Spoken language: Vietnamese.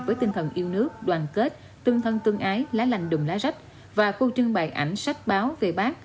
với tinh thần yêu nước đoàn kết tương thân tương ái lá lành đùm lá rách và khu trưng bày ảnh sách báo về bác